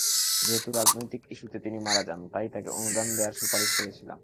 যেহেতু রাজনৈতিক ইস্যুতে তিনি মারা যান, তাই তাঁকে অনুদান দেওয়ার সুপারিশ করেছিলাম।